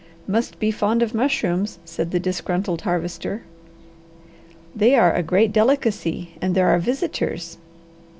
"Must be fond of mushrooms," said the disgruntled Harvester. "They are a great delicacy, and there are visitors."